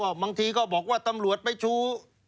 บางทีก็บอกว่าตำรวจไม่ชู้